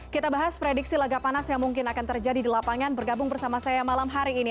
kita bahas prediksi laga panas yang mungkin akan terjadi di lapangan bergabung bersama saya malam hari ini